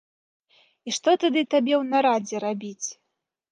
І што тады табе ў нарадзе рабіць?